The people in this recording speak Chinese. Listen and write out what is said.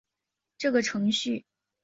这个程序的名称其实是个文字游戏。